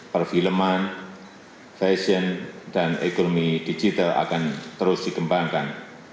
perfilman fashion dan ekonomi digital akan terus dikembangkan